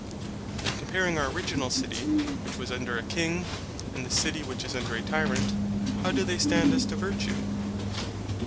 Then comparing our original city, which was under a king, and the city which is under a tyrant, how do they stand as to virtue?